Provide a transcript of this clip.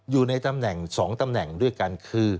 อยู่ในตำแหน่ง๒ตำแหน่งด้วยกันคือ